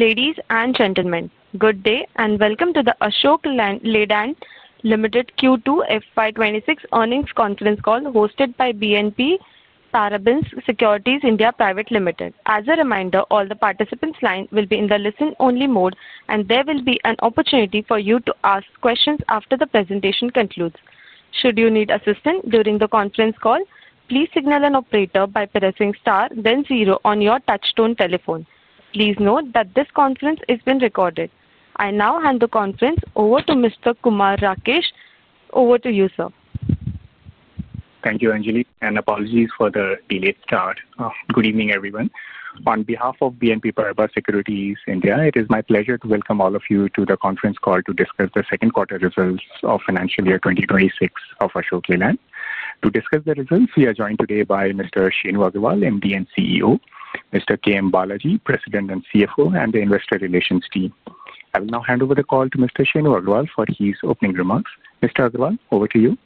Ladies and gentlemen, good day and welcome to the Ashok Leyland Limited Q2 FY26 earnings conference call hosted by BNP Paribas Securities India Private Limited. As a reminder, all the participants' lines will be in the listen-only mode, and there will be an opportunity for you to ask questions after the presentation concludes. Should you need assistance during the conference call, please signal an operator by pressing star, then zero on your touch-tone telephone. Please note that this conference is being recorded. I now hand the conference over to Mr. Kumar Rakesh. Over to you, sir. Thank you, Angelique, and apologies for the elite card. Good evening, everyone. On behalf of BNP Paribas Securities India, it is my pleasure to welcome all of you to the conference call to discuss the second quarter results of financial year 2026 of Ashok Leyland. To discuss the results, we are joined today by Mr. Shenu Agarwal, MD and CEO, Mr. K M Balaji, President and CFO, and the investor relations team. I will now hand over the call to Mr. Shenu Agarwal for his opening remarks. Mr. Agarwal, over to you.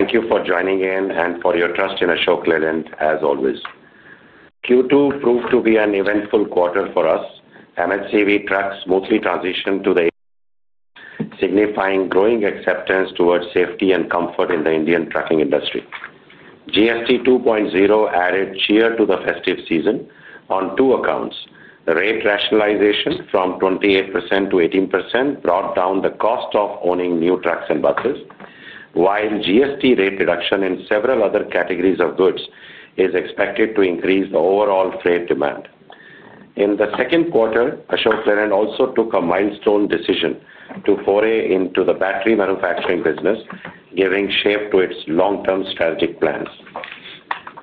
Thank you for joining in and for your trust in Ashok Leyland, as always. Q2 proved to be an eventful quarter for us. MHCV trucks smoothly transitioned to the, signifying growing acceptance towards safety and comfort in the Indian trucking industry. GST 2.0 added cheer to the festive season on two accounts. Rate rationalization from 28% to 18% brought down the cost of owning new trucks and buses, while GST rate reduction in several other categories of goods is expected to increase the overall freight demand. In the second quarter, Ashok Leyland also took a milestone decision to foray into the battery manufacturing business, giving shape to its long-term strategic plans.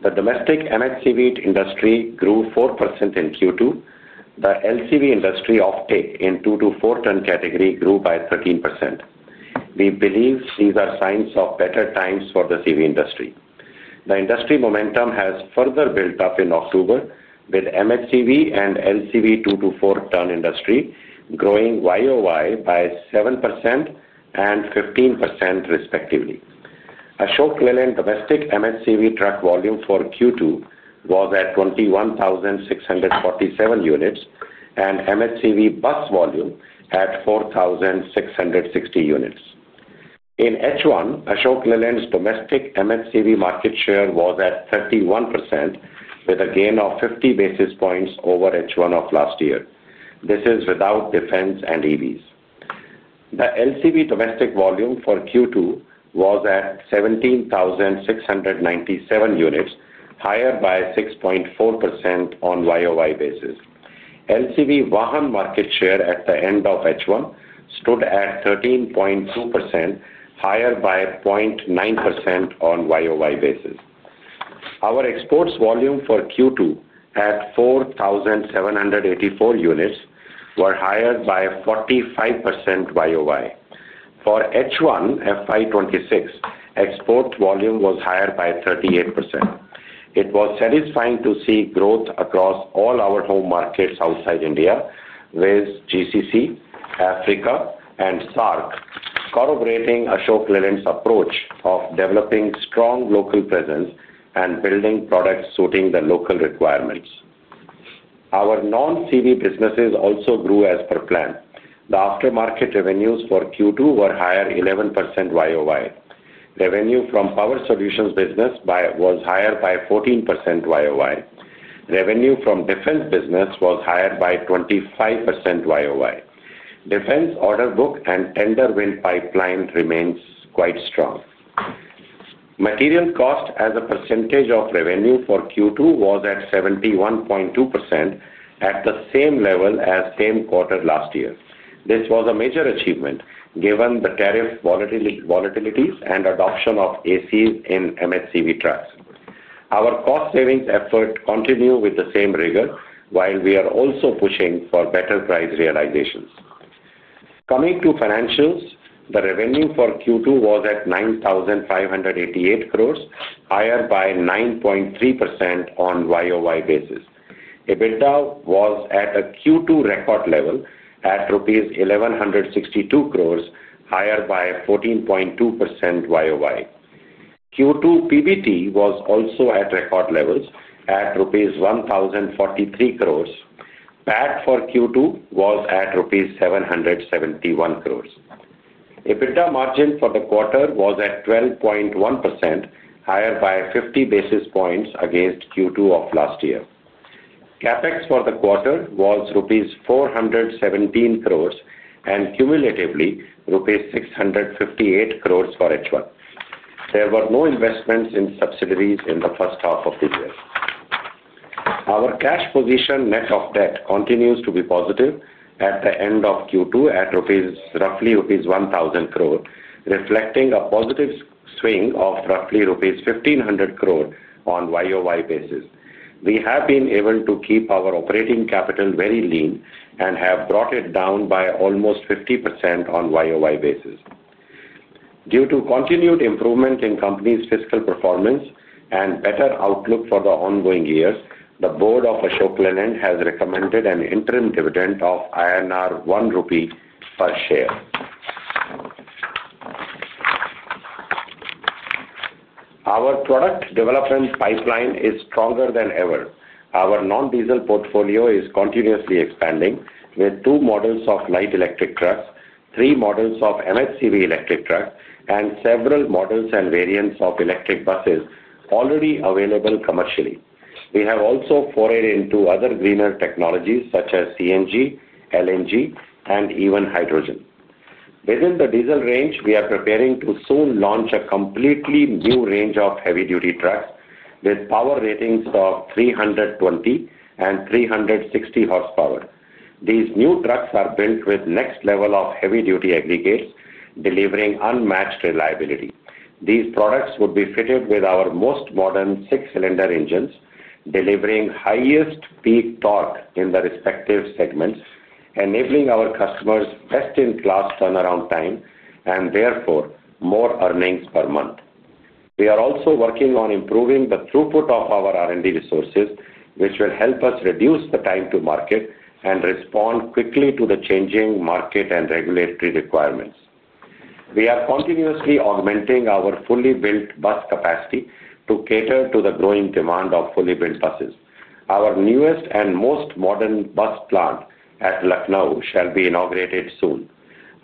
The domestic MHCV industry grew 4% in Q2. The LCV industry offtake in the 2 to 4-ton category grew by 13%. We believe these are signs of better times for the CV industry. The industry momentum has further built up in October, with MHCV and LCV 2-4 ton industry growing YOY by 7% and 15%, respectively. Ashok Leyland's domestic MHCV truck volume for Q2 was at 21,647 units, and MHCV bus volume at 4,660 units. In H1, Ashok Leyland's domestic MHCV market share was at 31%, with a gain of 50 basis points over H1 of last year. This is without defense and EVs. The LCV domestic volume for Q2 was at 17,697 units, higher by 6.4% on YOY basis. LCV market share at the end of H1 stood at 13.2%, higher by 0.9% on YOY basis. Our exports volume for Q2 at 4,784 units was higher by 45% YOY. For H1 FY26, export volume was higher by 38%. It was Saathisfying to see growth across all our home markets outside India, with GCC, Africa, and SAARC corroborating Ashok Leyland's approach of developing strong local presence and building products suiting the local requirements. Our non-CV businesses also grew as per plan. The aftermarket revenues for Q2 were higher by 11% YOY. Revenue from power solutions business was higher by 14% YOY. Revenue from defense business was higher by 25% YOY. Defense order book and tender win pipeline remains quite strong. Material cost as a percentage of revenue for Q2 was at 71.2%, at the same level as the same quarter last year. This was a major achievement given the tariff volatilities and adoption of ACs in MHCV trucks. Our cost savings effort continues with the same rigor, while we are also pushing for better price realizations. Coming to financials, the revenue for Q2 was at 9,588 crore, higher by 9.3% on YOY basis. EBITDA was at a Q2 record level at INR 1,162 crore, higher by 14.2% YOY. Q2 PBT was also at record levels at rupees 1,043 crore. PAT for Q2 was at rupees 771 crore. EBITDA margin for the quarter was at 12.1%, higher by 50 basis points against Q2 of last year. Capex for the quarter was rupees 417 crore and cumulatively rupees 658 crore for H1. There were no investments in subsidiaries in the first half of the year. Our cash position net of debt continues to be positive at the end of Q2 at roughly rupees 1,000 crore, reflecting a positive swing of roughly rupees 1,500 crore on YOY basis. We have been able to keep our operating capital very lean and have brought it down by almost 50% on YOY basis. Due to continued improvement in the company's fiscal performance and better outlook for the ongoing years, the board of Ashok Leyland has recommended an interim dividend of 1 rupee per share. Our product development pipeline is stronger than ever. Our non-diesel portfolio is continuously expanding, with two models of light electric trucks, three models of MHCV electric trucks, and several models and variants of electric buses already available commercially. We have also forayed into other greener technologies such as CNG, LNG, and even hydrogen. Within the diesel range, we are preparing to soon launch a completely new range of heavy-duty trucks with power ratings of 320 and 360 horsepower. These new trucks are built with next-level of heavy-duty aggregates, delivering unmatched reliability. These products would be fitted with our most modern six-cylinder engines, delivering highest peak torque in the respective segments, enabling our customers' best-in-class turnaround time and therefore more earnings per month. We are also working on improving the throughput of our R&D resources, which will help us reduce the time to market and respond quickly to the changing market and regulatory requirements. We are continuously augmenting our fully built bus capacity to cater to the growing demand of fully built buses. Our newest and most modern bus plant at Lucknow shall be inaugurated soon.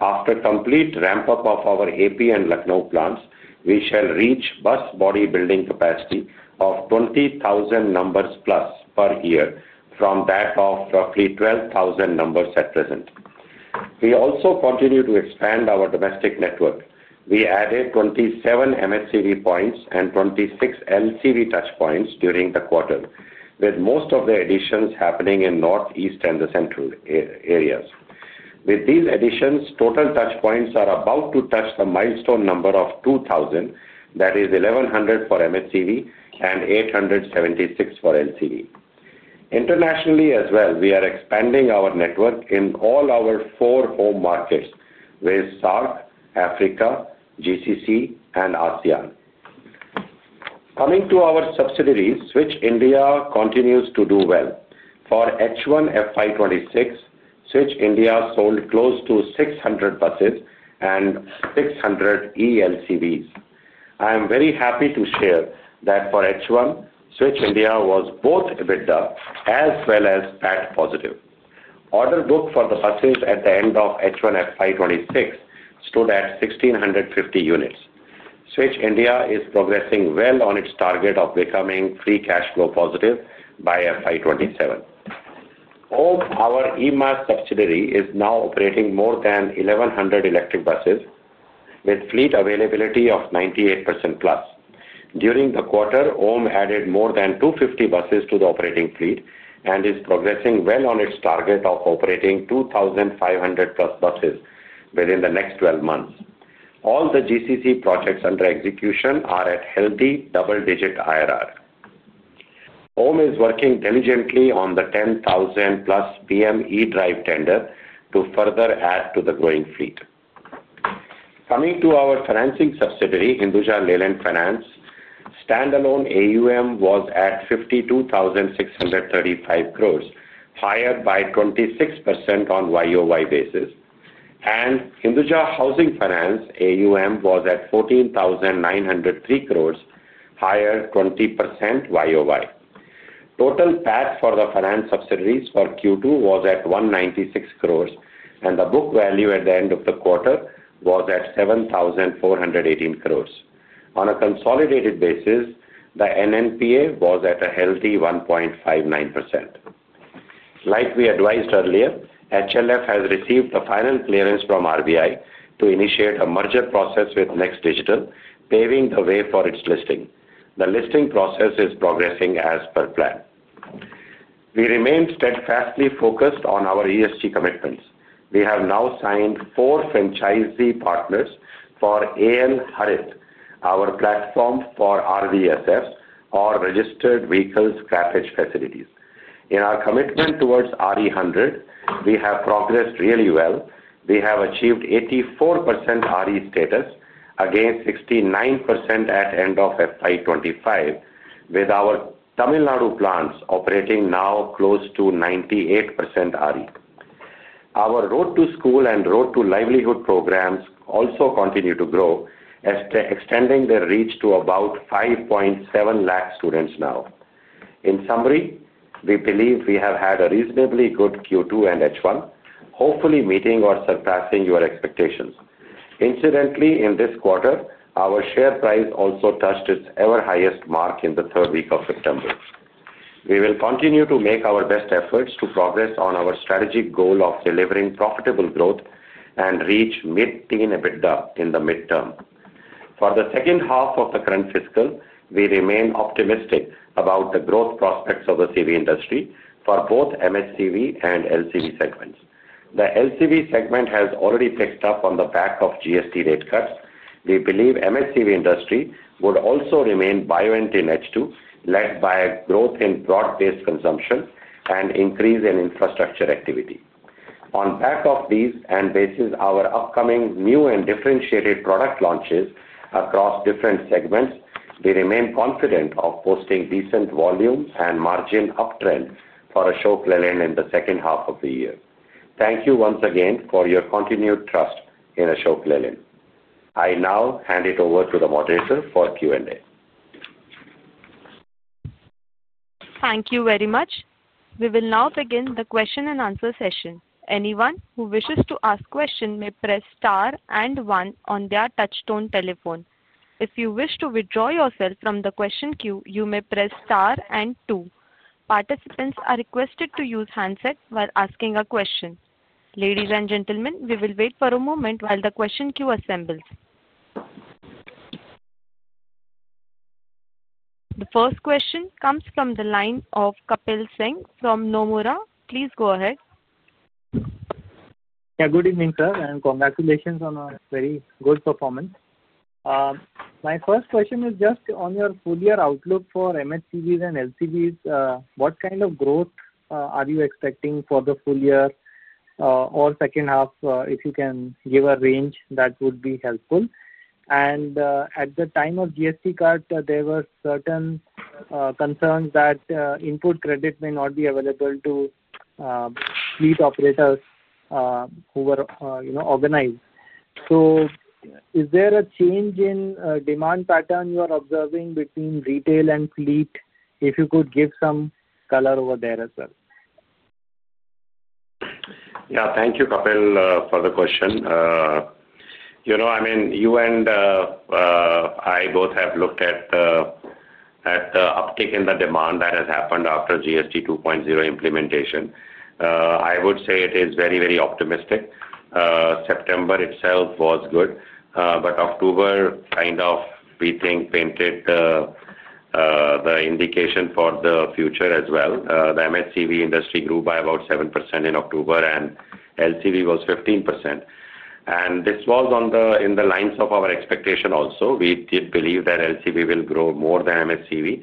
After complete ramp-up of our AP and Lucknow plants, we shall reach bus body building capacity of 20,000 numbers plus per year from that of roughly 12,000 numbers at present. We also continue to expand our domestic network. We added 27 MHCV points and 26 LCV touch points during the quarter, with most of the additions happening in the Northeast and the Central areas. With these additions, total touch points are about to touch the milestone number of 2,000, that is 1,100 for MHCV and 876 for LCV. Internationally as well, we are expanding our network in all our four home markets with SAARC, Africa, GCC, and ASEAN. Coming to our subsidiaries, Switch India continues to do well. For H1 FY26, Switch India sold close to 600 buses and 600 ELCVs. I am very happy to share that for H1, Switch India was both EBITDA as well as PAT positive. Order book for the buses at the end of H1 FY26 stood at 1,650 units. Switch India is progressing well on its target of becoming free cash flow positive by FY27. OHM, our EMAS subsidiary, is now operating more than 1,100 electric buses with fleet availability of 98% plus. During the quarter, OHM added more than 250 buses to the operating fleet and is progressing well on its target of operating 2,500 plus buses within the next 12 months. All the GCC projects under execution are at healthy double-digit IRR. OHM is working diligently on the 10,000 plus BM eDrive tender to further add to the growing fleet. Coming to our financing subsidiary, Hinduja Leyland Finance, standalone AUM was at 52,635 crore, higher by 26% on YOY basis, and Hinduja Housing Finance AUM was at 14,903 crore, higher 20% YOY. Total PAT for the finance subsidiaries for Q2 was at 196 crore, and the book value at the end of the quarter was at 7,418 crore. On a consolidated basis, the NNPA was at a healthy 1.59%. Like we advised earlier, HLF has received the final clearance from RBI to initiate a merger process with Next Digital, paving the way for its listing. The listing process is progressing as per plan. We remain steadfastly focused on our ESG commitments. We have now signed four franchisee partners for AL Harith, our platform for RVSFs, or Registered Vehicle Scrapping Facilities. In our commitment towards RE 100, we have progressed really well. We have achieved 84% RE status against 69% at the end of FY25, with our Tamil Nadu plants operating now close to 98% RE. Our road to school and road to livelihood programs also continue to grow, extending their reach to about 570,000 students now. In summary, we believe we have had a reasonably good Q2 and H1, hopefully meeting or surpassing your expectations. Incidentally, in this quarter, our share price also touched its ever-highest mark in the third week of September. We will continue to make our best efforts to progress on our strategic goal of delivering profitable growth and reach mid-teen EBITDA in the midterm. For the second half of the current fiscal, we remain optimistic about the growth prospects of the CV industry for both MHCV and LCV segments. The LCV segment has already picked up on the back of GST rate cuts. We believe the MHCV industry would also remain bio-intense too, led by growth in broad-based consumption and increase in infrastructure activity. On the back of these and basing our upcoming new and differentiated product launches across different segments, we remain confident of posting decent volumes and margin uptrend for Ashok Leyland in the second half of the year. Thank you once again for your continued trust in Ashok Leyland. I now hand it over to the moderator for Q&A. Thank you very much. We will now begin the question and answer session. Anyone who wishes to ask a question may press star and one on their touchstone telephone. If you wish to withdraw yourself from the question queue, you may press star and two. Participants are requested to use handsets while asking a question. Ladies and gentlemen, we will wait for a moment while the question queue assembles. The first question comes from the line of Kapil Singh from Nomura. Please go ahead. Yeah, good evening, sir, and congratulations on a very good performance. My first question is just on your full-year outlook for MHCVs and LCVs. What kind of growth are you expecting for the full year or second half? If you can give a range, that would be helpful. At the time of GST cut, there were certain concerns that input credit may not be available to fleet operators who were organized. Is there a change in demand pattern you are observing between retail and fleet? If you could give some color over there as well. Yeah, thank you, Kapil, for the question. You know, I mean, you and I both have looked at the uptick in the demand that has happened after GST 2.0 implementation. I would say it is very, very optimistic. September itself was good, but October kind of, we think, painted the indication for the future as well. The MHCV industry grew by about 7% in October, and LCV was 15%. This was in the lines of our expectation also. We did believe that LCV will grow more than MHCV.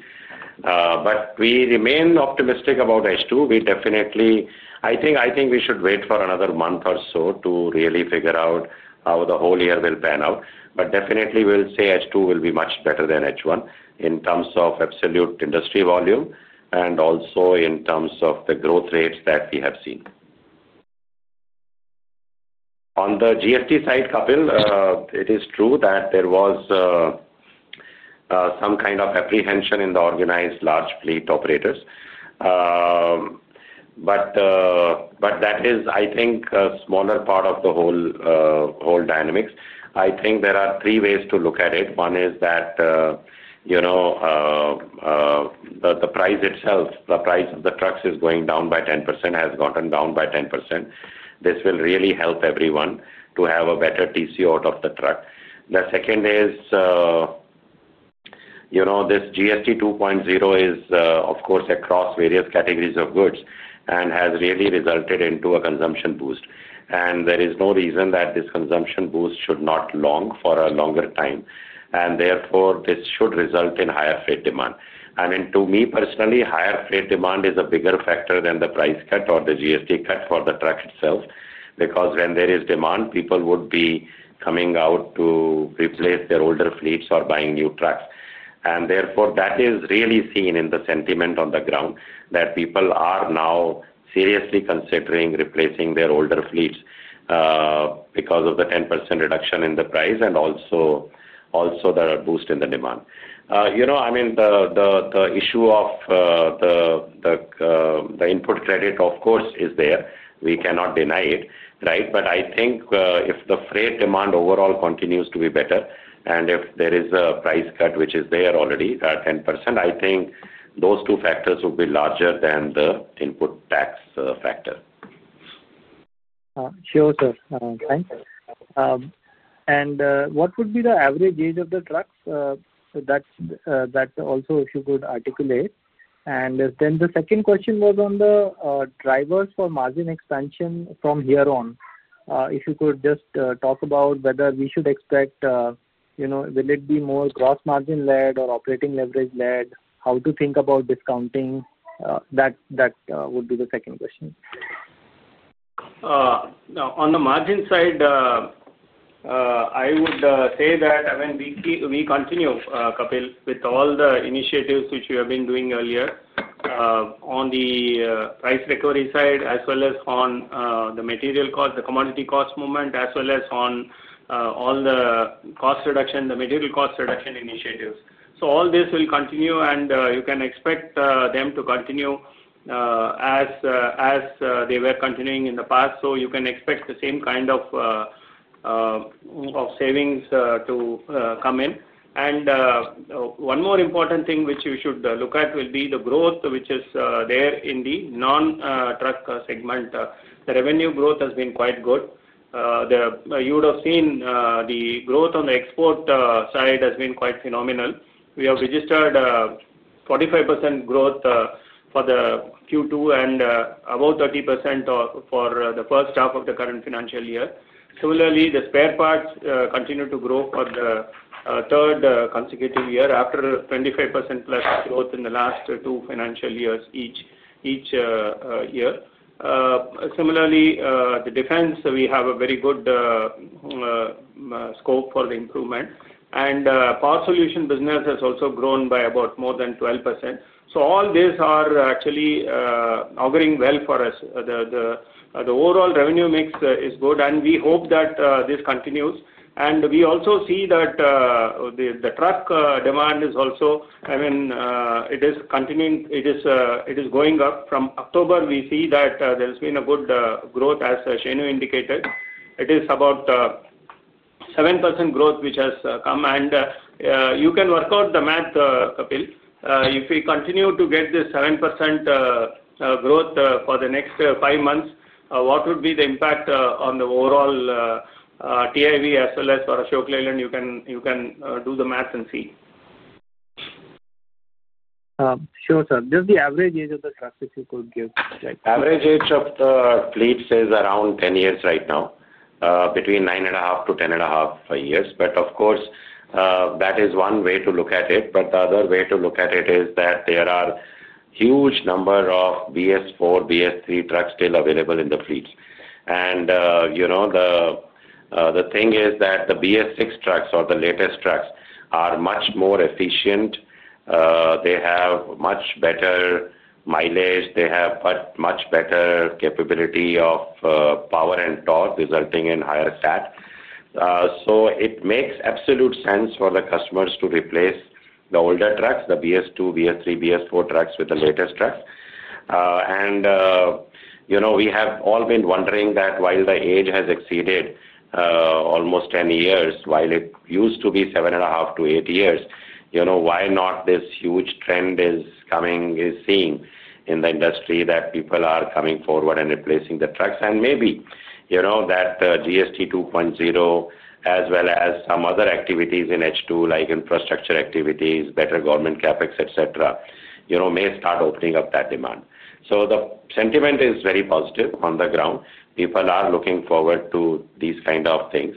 We remain optimistic about H2. We definitely, I think we should wait for another month or so to really figure out how the whole year will pan out. We will say H2 will be much better than H1 in terms of absolute industry volume and also in terms of the growth rates that we have seen. On the GST side, Kapil, it is true that there was some kind of apprehension in the organized large fleet operators. That is, I think, a smaller part of the whole dynamics. I think there are three ways to look at it. One is that the price itself, the price of the trucks is going down by 10%, has gotten down by 10%. This will really help everyone to have a better TCO out of the truck. The second is this GST 2.0 is, of course, across various categories of goods and has really resulted in a consumption boost. There is no reason that this consumption boost should not long for a longer time. Therefore, this should result in higher freight demand. To me personally, higher freight demand is a bigger factor than the price cut or the GST cut for the truck itself, because when there is demand, people would be coming out to replace their older fleets or buying new trucks. Therefore, that is really seen in the sentiment on the ground that people are now seriously considering replacing their older fleets because of the 10% reduction in the price and also the boost in the demand. I mean, the issue of the input credit, of course, is there. We cannot deny it, right? I think if the freight demand overall continues to be better and if there is a price cut which is there already, 10%, I think those two factors would be larger than the input tax factor. Sure, sir. Thanks. What would be the average age of the trucks? That also, if you could articulate. The second question was on the drivers for margin expansion from here on. If you could just talk about whether we should expect, will it be more gross margin-led or operating leverage-led? How to think about discounting? That would be the second question. On the margin side, I would say that, I mean, we continue, Kapil, with all the initiatives which we have been doing earlier on the price recovery side as well as on the material cost, the commodity cost movement, as well as on all the cost reduction, the material cost reduction initiatives. All this will continue, and you can expect them to continue as they were continuing in the past. You can expect the same kind of savings to come in. One more important thing which you should look at will be the growth which is there in the non-truck segment. The revenue growth has been quite good. You would have seen the growth on the export side has been quite phenomenal. We have registered 45% growth for the Q2 and about 30% for the first half of the current financial year. Similarly, the spare parts continue to grow for the third consecutive year after 25%+ growth in the last two financial years each year. Similarly, the defense, we have a very good scope for the improvement. The power solution business has also grown by about more than 12%. All these are actually auguring well for us. The overall revenue mix is good, and we hope that this continues. We also see that the truck demand is also, I mean, it is continuing. It is going up. From October, we see that there has been a good growth, as Shenu indicated. It is about 7% growth which has come. You can work out the math, Kapil. If we continue to get this 7% growth for the next five months, what would be the impact on the overall TIV as well as for Ashok Leyland? You can do the math and see. Sure, sir. Just the average age of the trucks, if you could give. Average age of the fleets is around 10 years right now, between 9 and a half to 10 and a half years. Of course, that is one way to look at it. The other way to look at it is that there are a huge number of BS4, BS3 trucks still available in the fleets. The thing is that the BS6 trucks or the latest trucks are much more efficient. They have much better mileage. They have much better capability of power and torque, resulting in higher stat. It makes absolute sense for the customers to replace the older trucks, the BS2, BS3, BS4 trucks with the latest trucks. We have all been wondering that while the age has exceeded almost 10 years, while it used to be seven and a half to eight years, why not this huge trend is coming, is seen in the industry that people are coming forward and replacing the trucks? Maybe that GST 2.0, as well as some other activities in H2, like infrastructure activities, better government CapEx, etc., may start opening up that demand. The sentiment is very positive on the ground. People are looking forward to these kinds of things.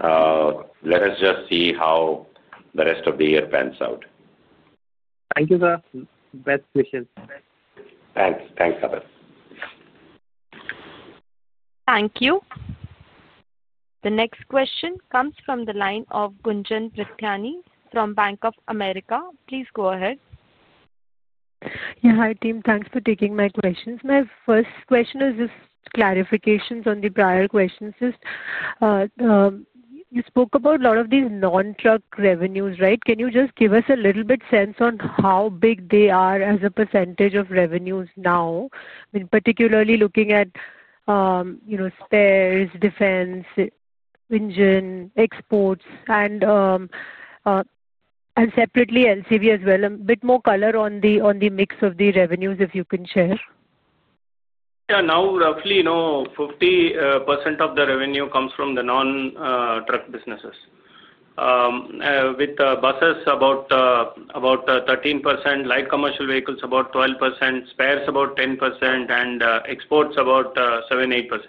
Let us just see how the rest of the year pans out. Thank you, sir. Best wishes. Thanks. Thanks, Kapil. Thank you. The next question comes from the line of Gunjan Prithyani from Bank of America. Please go ahead. Yeah, hi, team. Thanks for taking my questions. My first question is just clarifications on the prior questions. Just you spoke about a lot of these non-truck revenues, right? Can you just give us a little bit of sense on how big they are as a percentage of revenues now, particularly looking at spares, defense, engine, exports, and separately LCV as well? A bit more color on the mix of the revenues, if you can share. Yeah, now roughly 50% of the revenue comes from the non-truck businesses, with buses about 13%, light commercial vehicles about 12%, spares about 10%, and exports about 7%-8%.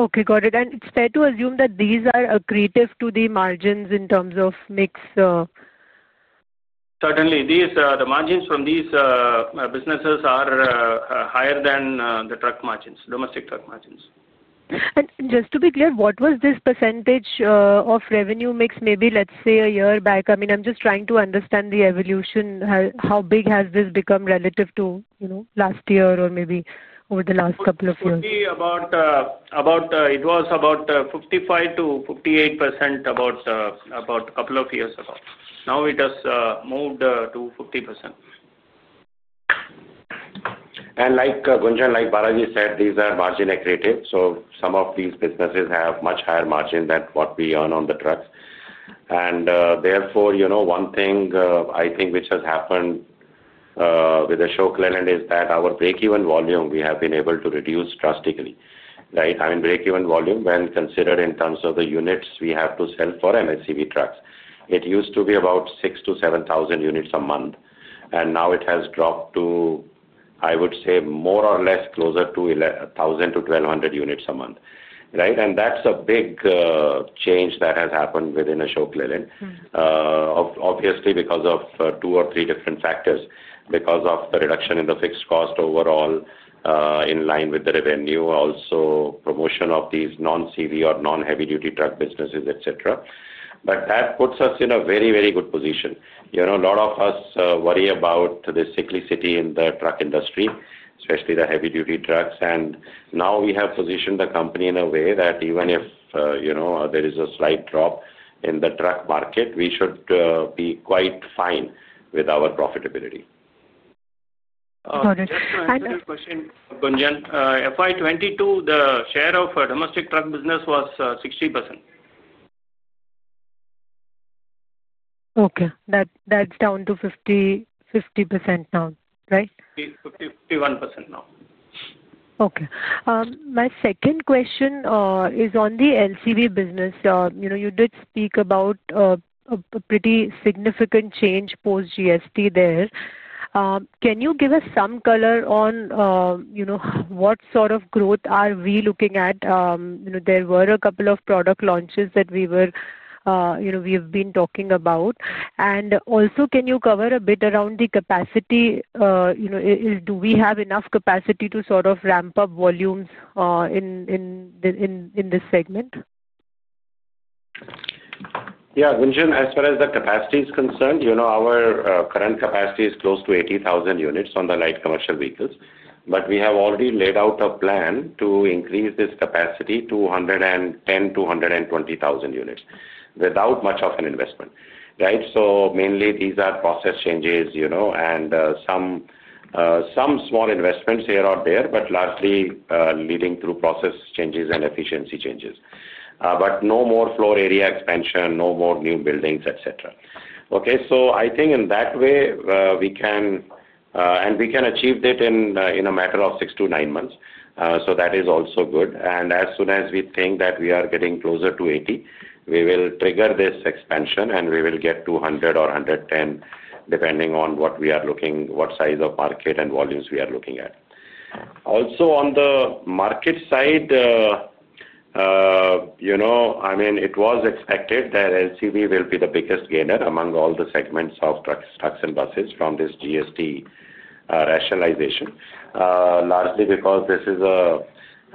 Okay, got it. It's fair to assume that these are accretive to the margins in terms of mix? Certainly. The margins from these businesses are higher than the truck margins, domestic truck margins. Just to be clear, what was this percentage of revenue mix maybe, let's say, a year back? I mean, I'm just trying to understand the evolution. How big has this become relative to last year or maybe over the last couple of years? It was about 55%-58% about a couple of years ago. Now it has moved to 50%. Like Gunjan, like Balaji said, these are margin accretive. Some of these businesses have much higher margins than what we earn on the trucks. Therefore, one thing I think which has happened with Ashok Leyland is that our break-even volume, we have been able to reduce drastically, right? I mean, break-even volume when considered in terms of the units we have to sell for MHCV trucks. It used to be about 6,000-7,000 units a month. Now it has dropped to, I would say, more or less closer to 1,000-1,200 units a month, right? That's a big change that has happened within Ashok Leyland, obviously because of two or three different factors, because of the reduction in the fixed cost overall in line with the revenue, also promotion of these non-CV or non-heavy-duty truck businesses, etc. That puts us in a very, very good position. A lot of us worry about the cyclicity in the truck industry, especially the heavy-duty trucks. Now we have positioned the company in a way that even if there is a slight drop in the truck market, we should be quite fine with our profitability. Got it. Another question, Gunjan. FY 2022, the share of domestic truck business was 60%. Okay. That's down to 50% now, right? 51% now. Okay. My second question is on the LCV business. You did speak about a pretty significant change post-GST there. Can you give us some color on what sort of growth are we looking at? There were a couple of product launches that we have been talking about. Also, can you cover a bit around the capacity? Do we have enough capacity to sort of ramp up volumes in this segment? Yeah, Gunjan, as far as the capacity is concerned, our current capacity is close to 80,000 units on the light commercial vehicles. We have already laid out a plan to increase this capacity to 110,000-120,000 units without much of an investment, right? Mainly, these are process changes and some small investments here or there, but largely leading through process changes and efficiency changes. No more floor area expansion, no more new buildings, etc. Okay? I think in that way, we can achieve that in a matter of six to nine months. That is also good. As soon as we think that we are getting closer to 80, we will trigger this expansion, and we will get 200 or 110, depending on what we are looking, what size of market and volumes we are looking at. Also, on the market side, I mean, it was expected that LCV will be the biggest gainer among all the segments of trucks and buses from this GST rationalization, largely because this is a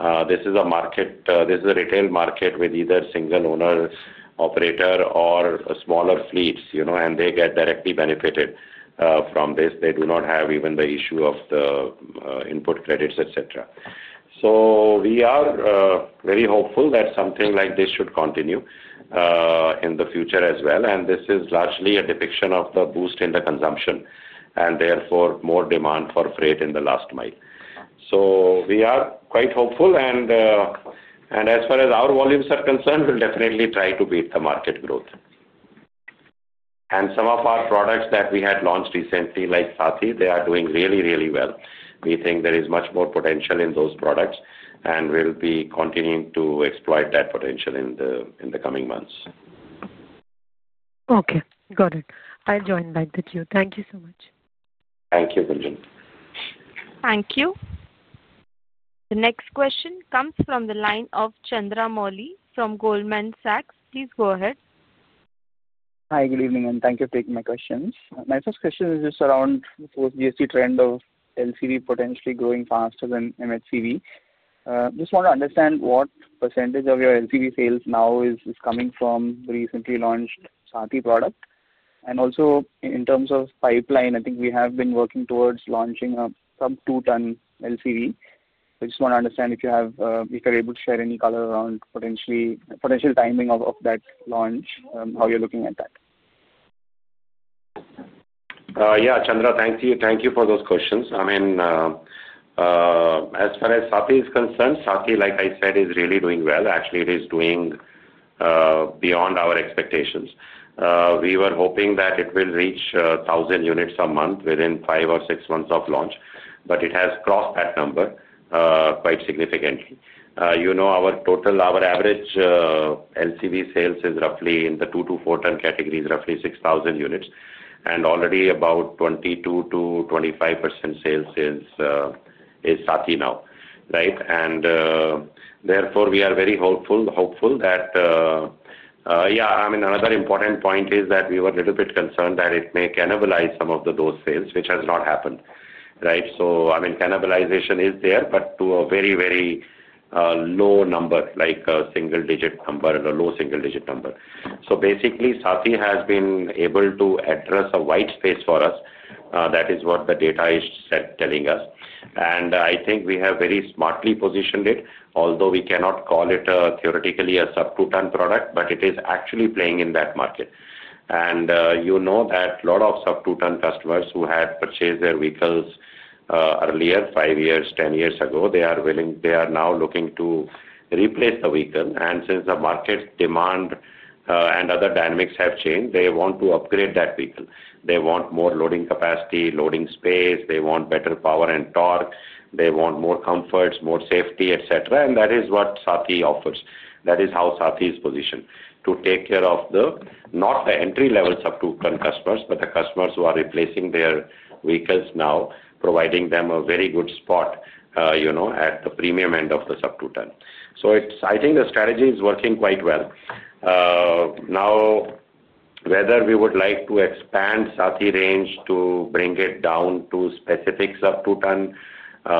market, this is a retail market with either single owner, operator, or smaller fleets, and they get directly benefited from this. They do not have even the issue of the input credits, etc. We are very hopeful that something like this should continue in the future as well. This is largely a depiction of the boost in the consumption and therefore more demand for freight in the last mile. We are quite hopeful. As far as our volumes are concerned, we will definitely try to beat the market growth. Some of our products that we had launched recently, like Saathi, are doing really, really well. We think there is much more potential in those products, and we will be continuing to exploit that potential in the coming months. Okay. Got it. I will join back with you. Thank you so much. Thank you, Gunjan. Thank you. The next question comes from the line of Chandra Mouli from Goldman Sachs. Please go ahead. Hi, good evening, and thank you for taking my questions. My first question is just around the post-GST trend of LCV potentially growing faster than MHCV. Just want to understand what % of your LCV sales now is coming from the recently launched Saathi product. Also, in terms of pipeline, I think we have been working towards launching a sub-2-ton LCV. I just want to understand if you are able to share any color around potential timing of that launch, how you're looking at that. Yeah, Chandra, thank you. Thank you for those questions. I mean, as far as Saathi is concerned, Saathi, like I said, is really doing well. Actually, it is doing beyond our expectations. We were hoping that it will reach 1,000 units a month within five or six months of launch, but it has crossed that number quite significantly. Our average LCV sales is roughly in the 2 to 4-ton categories, roughly 6,000 units. Already about 22%-25% sales is Saathi now, right? Therefore, we are very hopeful that, yeah, I mean, another important point is that we were a little bit concerned that it may cannibalize some of those sales, which has not happened, right? I mean, cannibalization is there, but to a very, very low number, like a single-digit number or a low single-digit number. Basically, Saathi has been able to address a white space for us. That is what the data is telling us. I think we have very smartly positioned it, although we cannot call it theoretically a sub-2-ton product, but it is actually playing in that market. You know that a lot of sub-2-ton customers who had purchased their vehicles earlier, 5 years, 10 years ago, they are now looking to replace the vehicle. Since the market demand and other dynamics have changed, they want to upgrade that vehicle. They want more loading capacity, loading space. They want better power and torque. They want more comfort, more safety, etc. That is what Saathi offers. That is how Saathi is positioned, to take care of not the entry-level sub-2-ton customers, but the customers who are replacing their vehicles now, providing them a very good spot at the premium end of the sub-2-ton. I think the strategy is working quite well. Now, whether we would like to expand Saathi range to bring it down to specific sub-2-ton,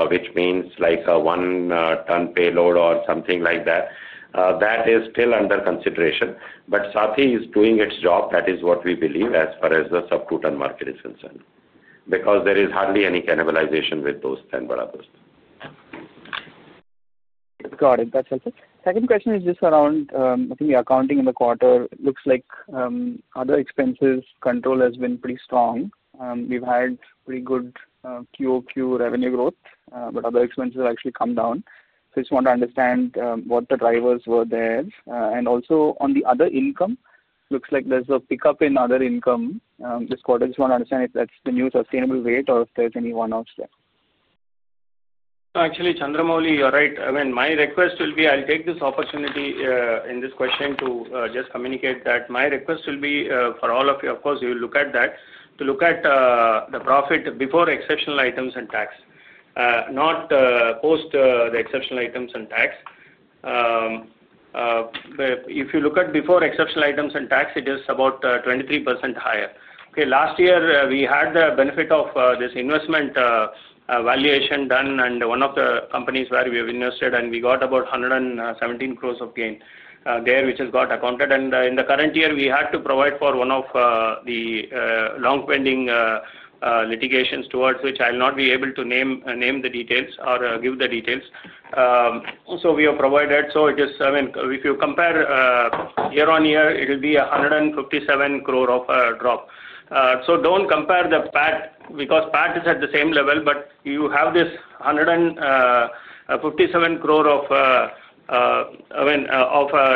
which means like a 1-ton payload or something like that, that is still under consideration. Saathi is doing its job. That is what we believe as far as the sub-2-ton market is concerned, because there is hardly any cannibalization with those 10 or others. Got it. That's helpful. Second question is just around, I think, your accounting in the quarter. It looks like other expenses control has been pretty strong. We've had pretty good QOQ revenue growth, but other expenses have actually come down. I just want to understand what the drivers were there. Also, on the other income, looks like there's a pickup in other income this quarter. I just want to understand if that's the new sustainable rate or if there's anyone else there. Actually, Chandra Mouli, you're right. I mean, my request will be I'll take this opportunity in this question to just communicate that my request will be for all of you, of course, you will look at that, to look at the profit before exceptional items and tax, not post the exceptional items and tax. If you look at before exceptional items and tax, it is about 23% higher. Okay, last year, we had the benefit of this investment valuation done, and one of the companies where we have invested, and we got about 117 crore of gain there, which has got accounted. In the current year, we had to provide for one of the long-pending litigations towards which I'll not be able to name the details or give the details. We have provided. If you compare year on year, it will be a 157 crore of a drop. Do not compare the PAT, because PAT is at the same level, but you have this 157 crore of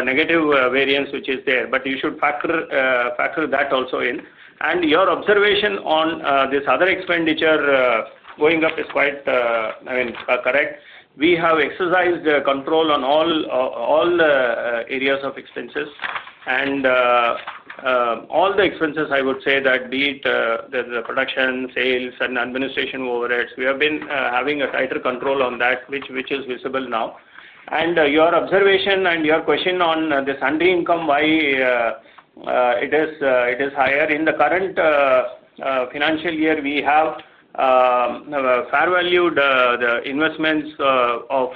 negative variance, which is there. You should factor that also in. Your observation on this other expenditure going up is quite correct. We have exercised control on all areas of expenses. All the expenses, I would say that be it the production, sales, and administration overheads, we have been having a tighter control on that, which is visible now. Your observation and your question on this other income, why it is higher. In the current financial year, we have fair valued the investments of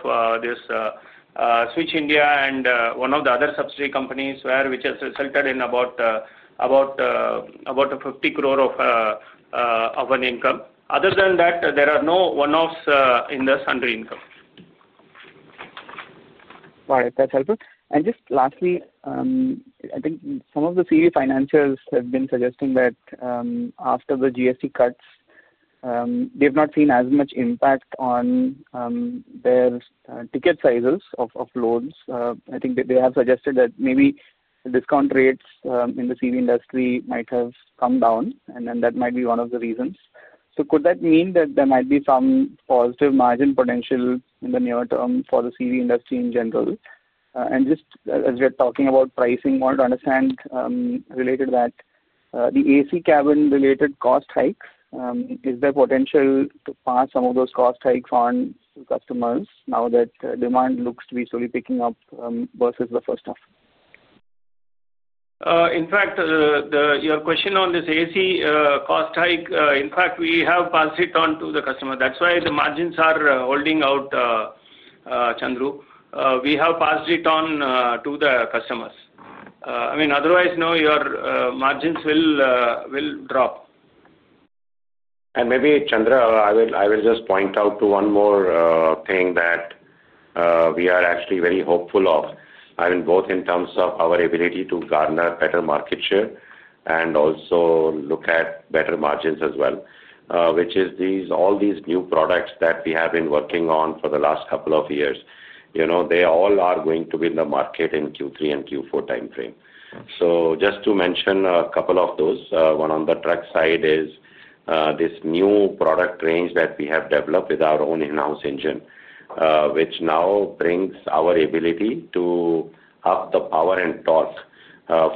Switch India and one of the other subsidiary companies there, which has resulted in about 50 crore of an income. Other than that, there are no one-offs in this other income. Got it. That's helpful. Just lastly, I think some of the CV financials have been suggesting that after the GST cuts, they have not seen as much impact on their ticket sizes of loans. I think they have suggested that maybe the discount rates in the CV industry might have come down, and that might be one of the reasons. Could that mean that there might be some positive margin potential in the near term for the CV industry in general? Just as we are talking about pricing, I want to understand related to that, the AC cabin-related cost hikes, is there potential to pass some of those cost hikes on to customers now that demand looks to be slowly picking up versus the first half? In fact, your question on this AC cost hike, in fact, we have passed it on to the customers. That is why the margins are holding out, Chandra. We have passed it on to the customers. I mean, otherwise, no, your margins will drop. Maybe, Chandra, I will just point out one more thing that we are actually very hopeful of, I mean, both in terms of our ability to garner better market share and also look at better margins as well, which is all these new products that we have been working on for the last couple of years. They all are going to be in the market in Q3 and Q4 timeframe. Just to mention a couple of those, one on the truck side is this new product range that we have developed with our own in-house engine, which now brings our ability to up the power and torque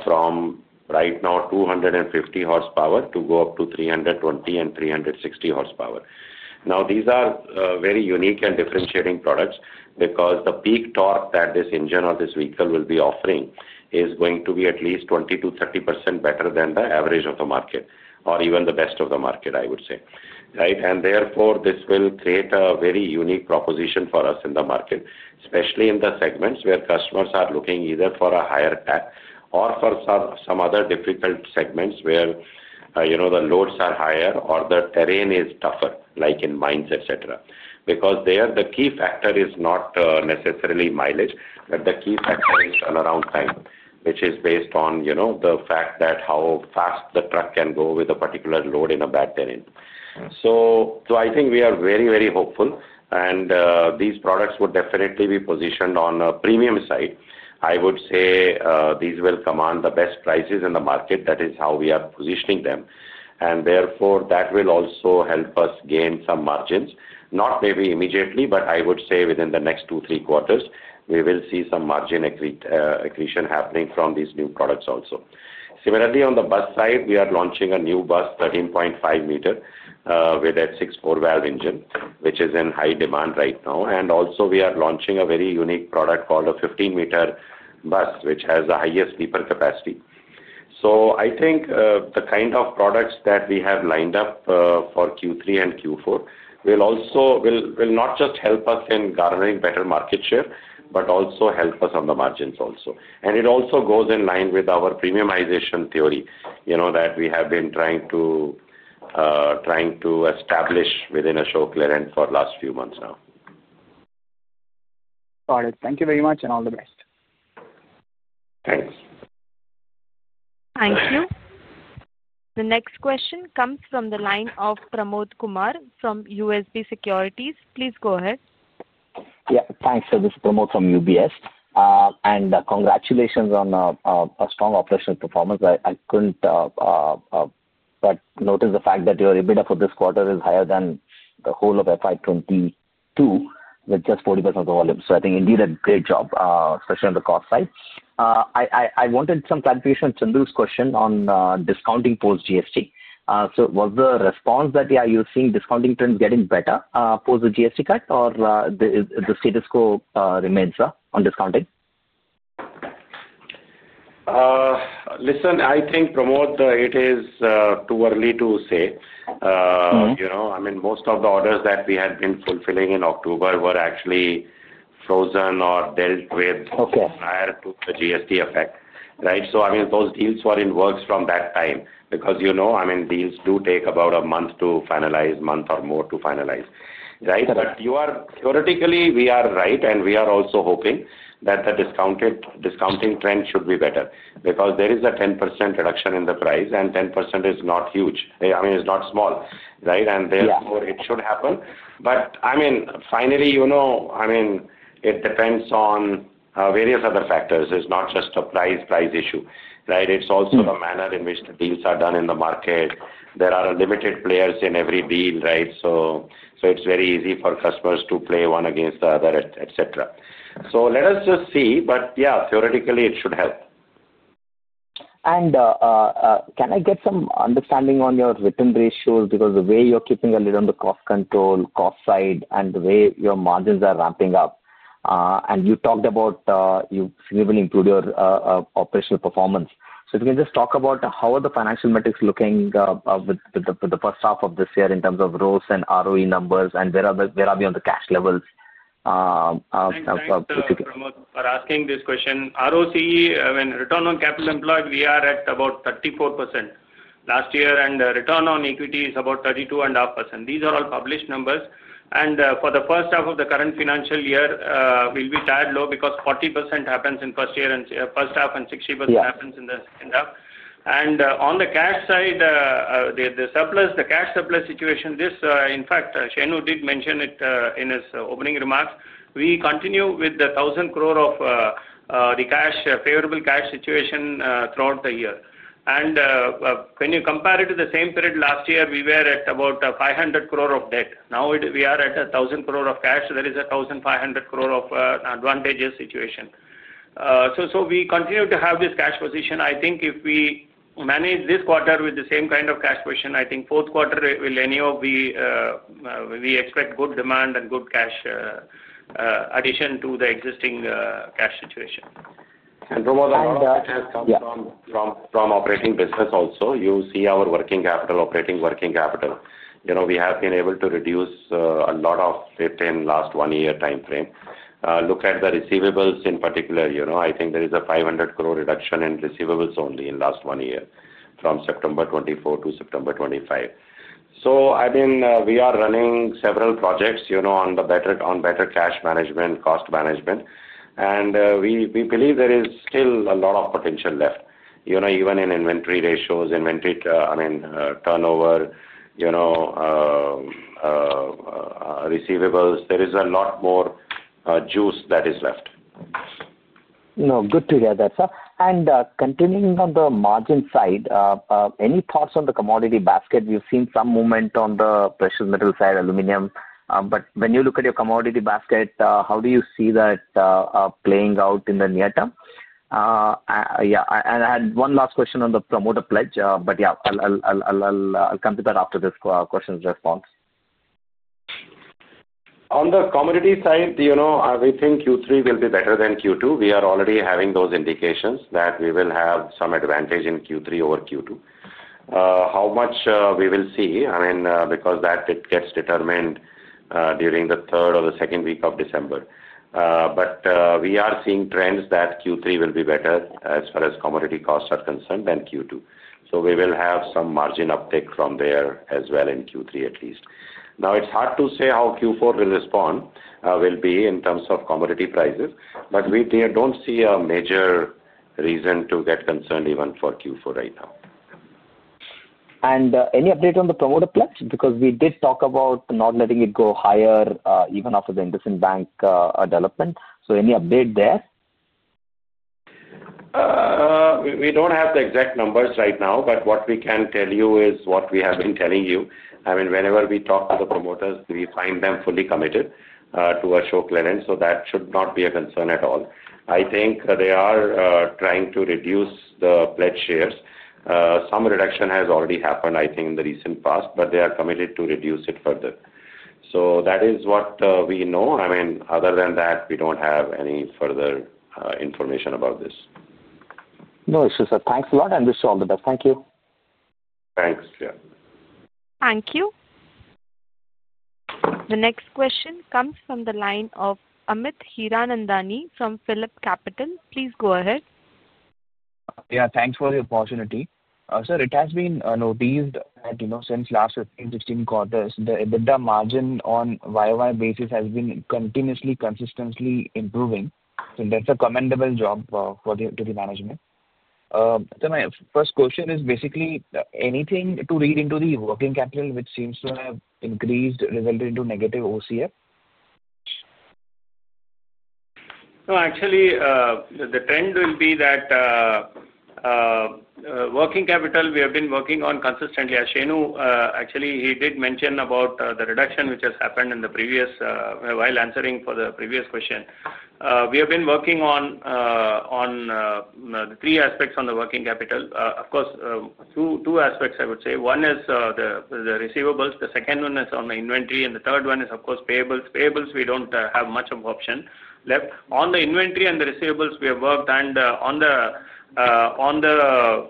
from right now 250 horsepower to go up to 320 and 360 horsepower. Now, these are very unique and differentiating products because the peak torque that this engine or this vehicle will be offering is going to be at least 20%-30% better than the average of the market or even the best of the market, I would say, right? Therefore, this will create a very unique proposition for us in the market, especially in the segments where customers are looking either for a higher pack or for some other difficult segments where the loads are higher or the terrain is tougher, like in mines, etc. Because there, the key factor is not necessarily mileage, but the key factor is all around time, which is based on the fact that how fast the truck can go with a particular load in a bad terrain. I think we are very, very hopeful, and these products would definitely be positioned on a premium side. I would say these will command the best prices in the market. That is how we are positioning them. Therefore, that will also help us gain some margins, not maybe immediately, but I would say within the next two, three quarters, we will see some margin accretion happening from these new products also. Similarly, on the bus side, we are launching a new bus, 13.5 meter, with a 6-4 valve engine, which is in high demand right now. Also, we are launching a very unique product called a 15-meter bus, which has the highest beeper capacity. I think the kind of products that we have lined up for Q3 and Q4 will not just help us in garnering better market share, but also help us on the margins also. It also goes in line with our premiumization theory that we have been trying to establish within Ashok Leyland for the last few months now. Got it. Thank you very much, and all the best. Thanks. Thank you. The next question comes from the line of Pramod Kumar from UBS Securities. Please go ahead. Yeah. Thanks. This is Pramod from UBS. Congratulations on a strong operational performance. I could not notice the fact that your EBITDA for this quarter is higher than the whole of FY22 with just 40% of the volume. I think, indeed, a great job, especially on the cost side. I wanted some clarification on Chandru's question on discounting post-GST. Was the response that we are using, discounting trends getting better post the GST cut, or the status quo remains on discounting? Listen, I think, Pramod, it is too early to say. I mean, most of the orders that we had been fulfilling in October were actually frozen or dealt with prior to the GST effect, right? Those deals were in works from that time because, I mean, deals do take about a month to finalize, month or more to finalize, right? Theoretically, we are right, and we are also hoping that the discounting trend should be better because there is a 10% reduction in the price, and 10% is not huge. I mean, it's not small, right? Therefore, it should happen. Finally, it depends on various other factors. It's not just a price issue, right? It's also the manner in which the deals are done in the market. There are limited players in every deal, right? It's very easy for customers to play one against the other, etc. Let us just see. Yeah, theoretically, it should help. Can I get some understanding on your return ratios? The way you're keeping a lid on the cost control, cost side, and the way your margins are ramping up, and you talked about you've significantly improved your operational performance. If you can just talk about how are the financial metrics looking with the first half of this year in terms of ROC and ROE numbers, and where are we on the cash levels? Thanks. Thank you, Pramod, for asking this question. ROC, I mean, return on capital employed, we are at about 34% last year, and return on equity is about 32.5%. These are all published numbers. For the first half of the current financial year, we will be tied low because 40% happens in the first half, and 60% happens in the second half. On the cash side, the cash surplus situation, this, in fact, Shenu did mention it in his opening remarks. We continue with the 1,000 crore of the cash, favorable cash situation throughout the year. When you compare it to the same period last year, we were at about 500 crore of debt. Now, we are at 1,000 crore of cash. There is a 1,500 crore of advantageous situation. We continue to have this cash position. I think if we manage this quarter with the same kind of cash position, I think fourth quarter will anyhow be, we expect good demand and good cash addition to the existing cash situation. Pramod, I think that has come from operating business also. You see our working capital, operating working capital. We have been able to reduce a lot of it in the last one-year timeframe. Look at the receivables in particular. I think there is a 500 crore reduction in receivables only in the last one year from September 2024 to September 2025. I mean, we are running several projects on better cash management, cost management. We believe there is still a lot of potential left, even in inventory ratios, inventory, I mean, turnover, receivables. There is a lot more juice that is left. No, good to hear that. Continuing on the margin side, any thoughts on the commodity basket? We've seen some movement on the precious metal side, aluminum. When you look at your commodity basket, how do you see that playing out in the near term? Yeah. I had one last question on the promoter pledge, but yeah, I'll come to that after this question's response. On the commodity side, we think Q3 will be better than Q2. We are already having those indications that we will have some advantage in Q3 over Q2. How much we will see, I mean, because that gets determined during the third or the second week of December. We are seeing trends that Q3 will be better as far as commodity costs are concerned than Q2. We will have some margin uptake from there as well in Q3 at least. Now, it's hard to say how Q4 will respond, will be in terms of commodity prices, but we don't see a major reason to get concerned even for Q4 right now. Any update on the promoter pledge? Because we did talk about not letting it go higher even after the IndusInd Bank development. Any update there? We don't have the exact numbers right now, but what we can tell you is what we have been telling you. I mean, whenever we talk to the promoters, we find them fully committed to Ashok Leyland, so that should not be a concern at all. I think they are trying to reduce the pledged shares. Some reduction has already happened, I think, in the recent past, but they are committed to reduce it further. That is what we know. I mean, other than that, we do not have any further information about this. No, it is just a thanks a lot, and this is all the best. Thank you. Thanks. Yeah. Thank you. The next question comes from the line of Amit Hiranandani from Phillip Capital. Please go ahead. Yeah. Thanks for the opportunity. Sir, it has been noticed that since the last 15-16 quarters, the EBITDA margin on a year-over-year basis has been continuously, consistently improving. That is a commendable job to the management. My first question is basically, anything to read into the working capital which seems to have increased, resulted into negative OCF? No, actually, the trend will be that working capital we have been working on consistently. As Shenu, actually, he did mention about the reduction which has happened in the previous while answering for the previous question. We have been working on the three aspects on the working capital. Of course, two aspects, I would say. One is the receivables. The second one is on the inventory, and the third one is, of course, payables. Payables, we do not have much of option left. On the inventory and the receivables, we have worked, and on the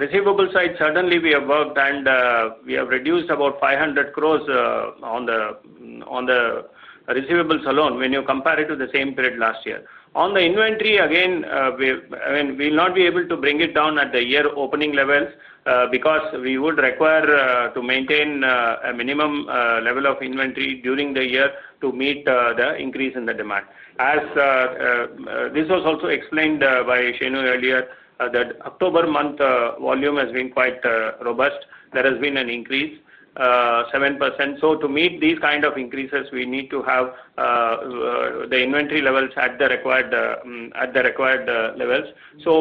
receivable side, certainly we have worked and we have reduced about 500 crore on the receivables alone when you compare it to the same period last year. On the inventory, again, I mean, we will not be able to bring it down at the year opening levels because we would require to maintain a minimum level of inventory during the year to meet the increase in the demand. As this was also explained by Shenu earlier, that October month volume has been quite robust. There has been an increase, 7%. To meet these kind of increases, we need to have the inventory levels at the required levels.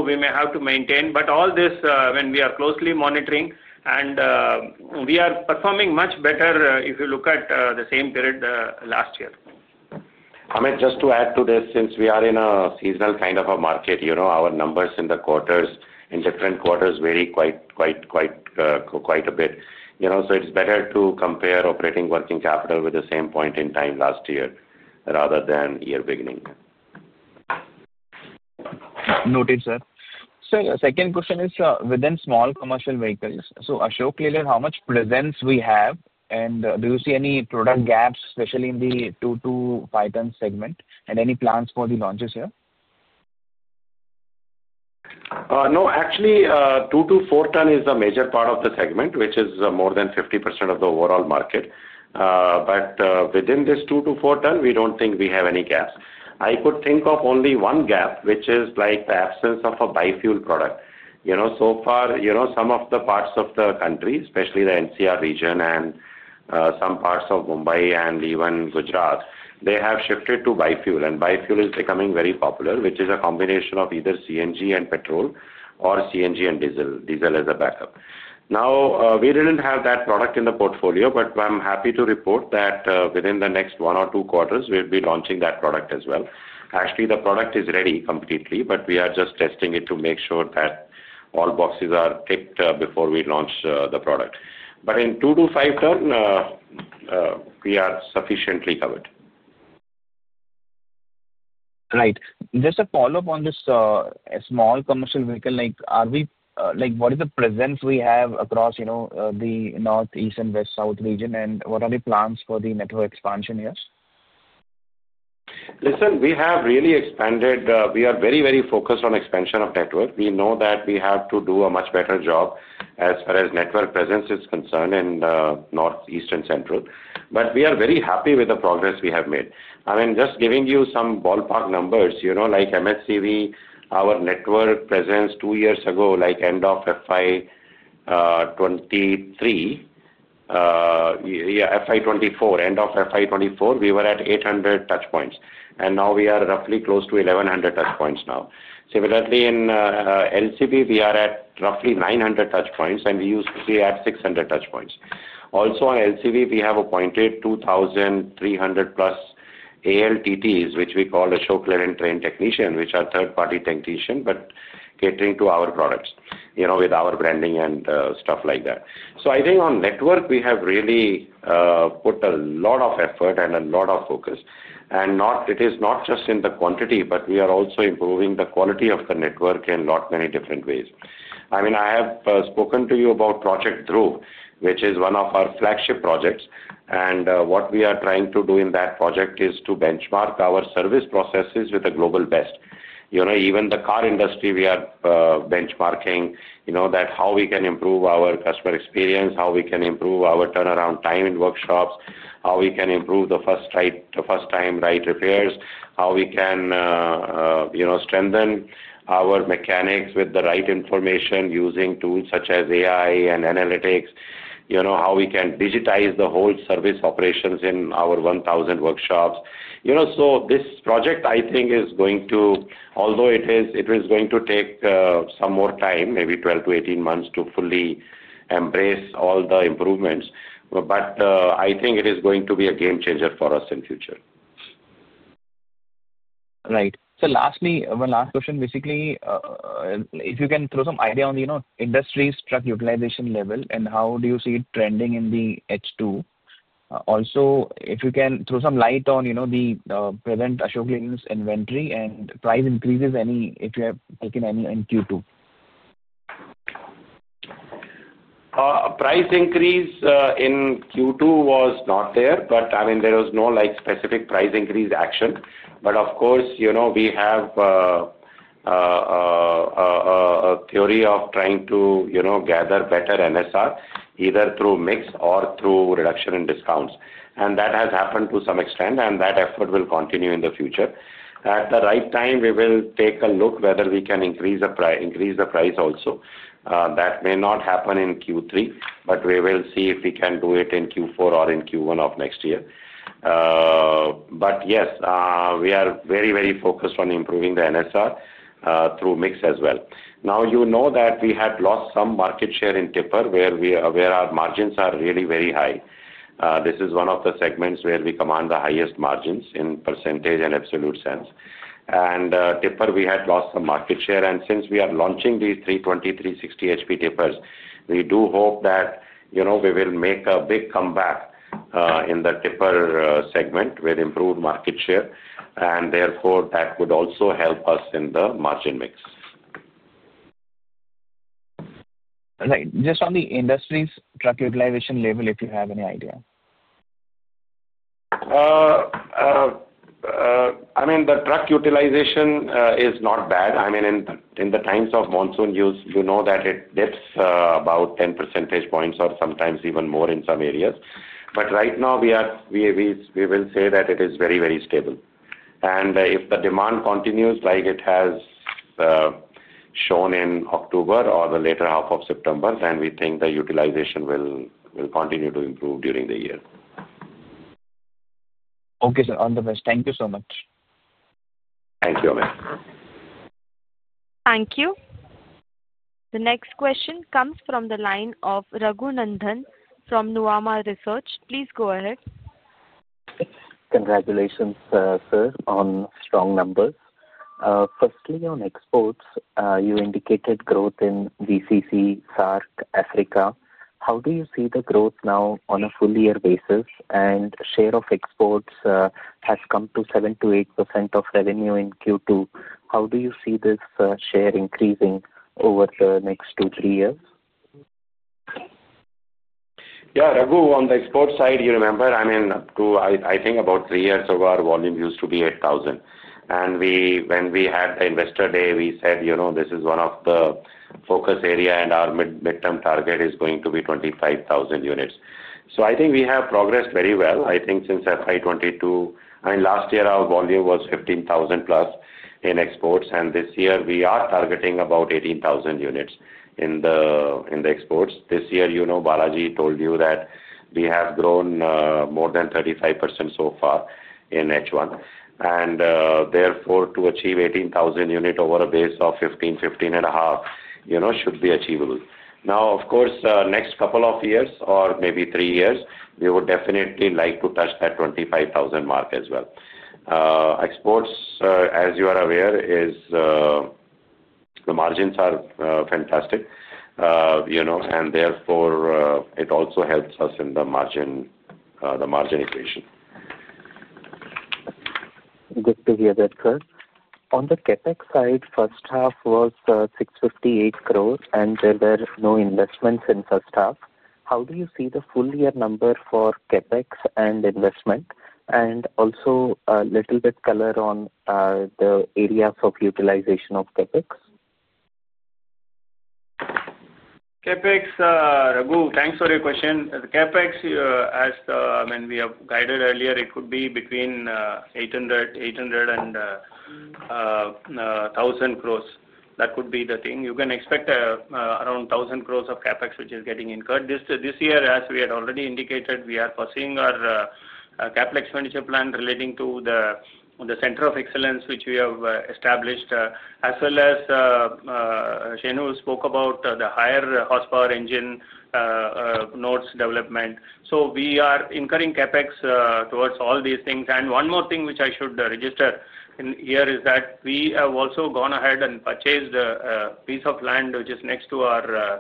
We may have to maintain. All this, I mean, we are closely monitoring, and we are performing much better if you look at the same period last year. Amit, just to add to this, since we are in a seasonal kind of a market, our numbers in the quarters, in different quarters, vary quite a bit. It is better to compare operating working capital with the same point in time last year rather than year beginning. Noted, sir. Sir, second question is within small commercial vehicles. Ashok Leyland, how much presence we have, and do you see any product gaps, especially in the 2 to 5-ton segment, and any plans for the launches here? No, actually, 2-4 ton is the major part of the segment, which is more than 50% of the overall market. Within this 2-4 ton, we do not think we have any gaps. I could think of only one gap, which is the absence of a bi-fuel product. So far, some of the parts of the country, especially the NCR region and some parts of Mumbai and even Gujarat, have shifted to bi-fuel. Bi-fuel is becoming very popular, which is a combination of either CNG and petrol or CNG and diesel, diesel as a backup. Now, we did not have that product in the portfolio, but I am happy to report that within the next one or two quarters, we will be launching that product as well. Actually, the product is ready completely, but we are just testing it to make sure that all boxes are ticked before we launch the product. In 2 to 5-ton, we are sufficiently covered. Right. Just a follow-up on this small commercial vehicle, what is the presence we have across the northeast and west-south region, and what are the plans for the network expansion here? Listen, we have really expanded. We are very, very focused on expansion of network. We know that we have to do a much better job as far as network presence is concerned in northeast and central. We are very happy with the progress we have made. I mean, just giving you some ballpark numbers, like MHCV, our network presence two years ago, like end of FY2023, yeah, FY2024, end of FY2024, we were at 800 touch points. We are roughly close to 1,100 touch points now. Similarly, in LCV, we are at roughly 900 touch points, and we used to be at 600 touch points. Also, on LCV, we have appointed 2,300-plus ALTTs, which we call Ashok Leyland Train Technician, which are third-party technicians but catering to our products with our branding and stuff like that. I think on network, we have really put a lot of effort and a lot of focus. It is not just in the quantity, but we are also improving the quality of the network in a lot many different ways. I mean, I have spoken to you about Project Dhruv, which is one of our flagship projects. What we are trying to do in that project is to benchmark our service processes with the global best. Even the car industry, we are benchmarking that how we can improve our customer experience, how we can improve our turnaround time in workshops, how we can improve the first-time right repairs, how we can strengthen our mechanics with the right information using tools such as AI and analytics, how we can digitize the whole service operations in our 1,000 workshops. This project, I think, is going to, although it is going to take some more time, maybe 12-18 months to fully embrace all the improvements, but I think it is going to be a game changer for us in the future. Right. Lastly, one last question. Basically, if you can throw some idea on the industry's truck utilization level and how do you see it trending in the H2. Also, if you can throw some light on the present Ashok Leyland's inventory and price increases, if you have taken any in Q2. Price increase in Q2 was not there, but, I mean, there was no specific price increase action. Of course, we have a theory of trying to gather better NSR either through mix or through reduction in discounts. That has happened to some extent, and that effort will continue in the future. At the right time, we will take a look whether we can increase the price also. That may not happen in Q3, but we will see if we can do it in Q4 or in Q1 of next year. Yes, we are very, very focused on improving the NSR through mix as well. Now, you know that we had lost some market share in tipper where our margins are really very high. This is one of the segments where we command the highest margins in percentage and absolute sense. In tipper, we had lost some market share. Since we are launching these 320, 360 HP tippers, we do hope that we will make a big comeback in the tipper segment with improved market share. That would also help us in the margin mix. Just on the industry's truck utilization level, if you have any idea. I mean, the truck utilization is not bad. I mean, in the times of monsoon, you know that it dips about 10 percentage points or sometimes even more in some areas. Right now, we will say that it is very, very stable. If the demand continues like it has shown in October or the later half of September, then we think the utilization will continue to improve during the year. Okay, sir. On the best. Thank you so much. Thank you, Amit. Thank you. The next question comes from the line of Raghunandhan from Nuvama Research. Please go ahead. Congratulations, sir, on strong numbers. Firstly, on exports, you indicated growth in GCC, SAARC, Africa. How do you see the growth now on a full-year basis? And share of exports has come to 7-8% of revenue in Q2. How do you see this share increasing over the next two, three years? Yeah. Raghu, on the export side, you remember, I mean, up to, I think, about three years ago, our volume used to be 8,000. And when we had the investor day, we said this is one of the focus areas, and our mid-term target is going to be 25,000 units. So I think we have progressed very well. I think since FY 2022, I mean, last year, our volume was 15,000-plus in exports. This year, we are targeting about 18,000 units in the exports. This year, Balaji told you that we have grown more than 35% so far in H1. Therefore, to achieve 18,000 units over a base of 15,000-15,500 should be achievable. Now, of course, next couple of years or maybe three years, we would definitely like to touch that 25,000 mark as well. Exports, as you are aware, the margins are fantastic. Therefore, it also helps us in the margin equation. Good to hear that, sir. On the CapEx side, first half was 658 crore, and there were no investments in first half. How do you see the full-year number for CapEx and investment? Also, a little bit color on the areas of utilization of CapEx? CapEx, Raghu, thanks for your question. CapEx, as we have guided earlier, it could be between 800 crore and 1,000 crore. That could be the thing. You can expect around 1,000 crore of CapEx, which is getting incurred. This year, as we had already indicated, we are pursuing our CapEx expenditure plan relating to the center of excellence, which we have established, as well as Shenu spoke about the higher horsepower engine nodes development. We are incurring CapEx towards all these things. One more thing which I should register here is that we have also gone ahead and purchased a piece of land, which is next to our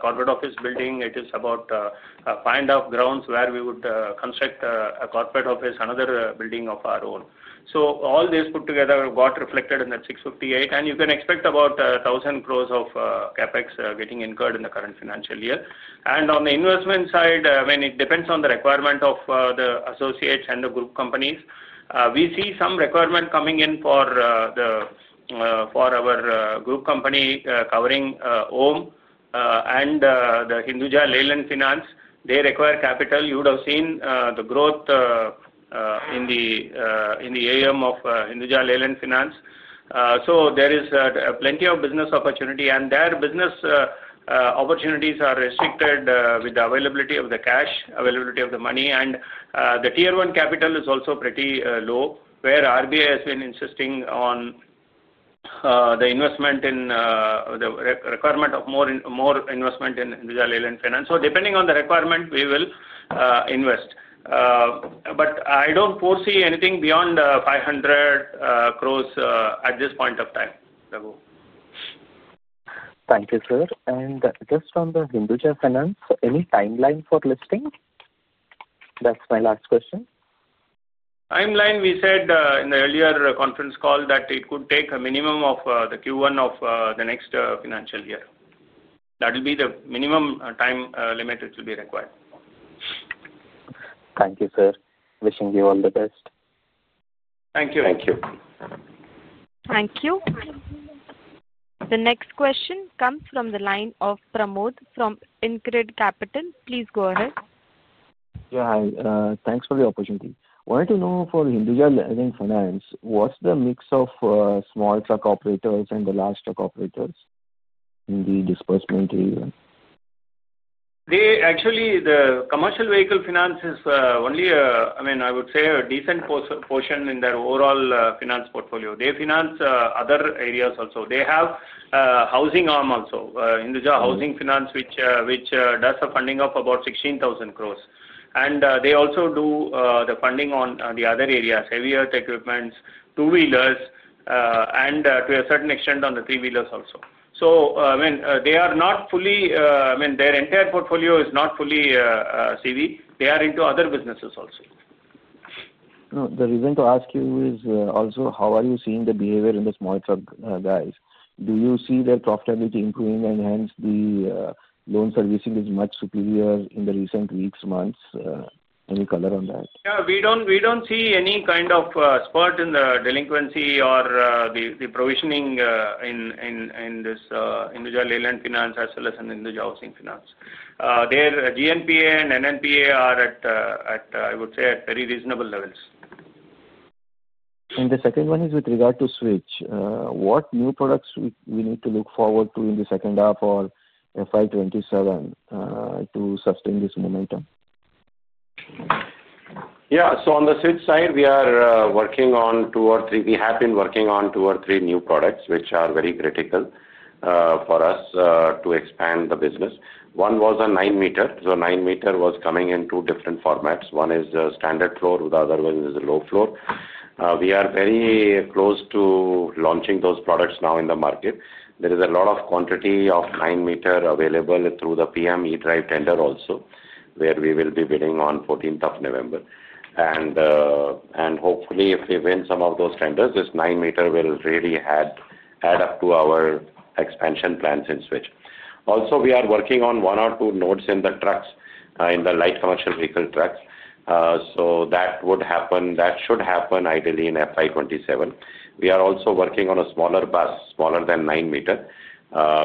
corporate office building. It is about a pint of grounds where we would construct a corporate office, another building of our own. All this put together got reflected in that 658 crore. You can expect about 1,000 crore of CapEx getting incurred in the current financial year. On the investment side, I mean, it depends on the requirement of the associates and the group companies. We see some requirement coming in for our group company covering OHM and Hinduja Leyland Finance. They require capital. You would have seen the growth in the AUM of Hinduja Leyland Finance. There is plenty of business opportunity. Their business opportunities are restricted with the availability of the cash, availability of the money. The tier one capital is also pretty low, where RBI has been insisting on the requirement of more investment in Hinduja Leyland Finance. Depending on the requirement, we will invest. I do not foresee anything beyond 500 crore at this point of time, Raghu. Thank you, sir. Just on the Hinduja Finance, any timeline for listing? That is my last question. Timeline, we said in the earlier conference call that it could take a minimum of the Q1 of the next financial year. That will be the minimum time limit it will be required. Thank you, sir. Wishing you all the best. Thank you. Thank you. Thank you. The next question comes from the line of Pramod from InCred Capital. Please go ahead. Yeah. Thanks for the opportunity. I wanted to know for Hinduja Leyland Finance, what is the mix of small truck operators and the large truck operators in the disbursement area? Actually, the commercial vehicle finance is only, I mean, I would say a decent portion in their overall finance portfolio. They finance other areas also. They have a housing arm also, Hinduja Housing Finance, which does the funding of about 16,000 crores. They also do the funding on the other areas, heavy-earth equipment, two-wheelers, and to a certain extent on the three-wheelers also. I mean, their entire portfolio is not fully CV. They are into other businesses also. The reason to ask you is also, how are you seeing the behavior in the small truck guys? Do you see their profitability improving? And hence, the loan servicing is much superior in the recent weeks, months? Any color on that? Yeah. We do not see any kind of spurt in the delinquency or the provisioning in this Hinduja Leyland Finance as well as in Hinduja Housing Finance. Their GNPA and NNPA are, I would say, at very reasonable levels. The second one is with regard to Switch. What new products we need to look forward to in the second half or FY27 to sustain this momentum? Yeah. On the Switch side, we are working on two or three, we have been working on two or three new products, which are very critical for us to expand the business. One was a 9-meter. 9-meter was coming in two different formats. One is standard floor. The other one is a low floor. We are very close to launching those products now in the market. There is a lot of quantity of 9-meter available through the PM E-Drive tender also, where we will be bidding on 14th of November. Hopefully, if we win some of those tenders, this 9-meter will really add up to our expansion plans in Switch. Also, we are working on one or two nodes in the trucks, in the light commercial vehicle trucks. That should happen ideally in FY27. We are also working on a smaller bus, smaller than 9-meter,